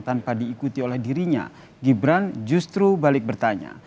tanpa diikuti oleh dirinya gibran justru balik bertanya